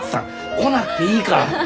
来なくていいから！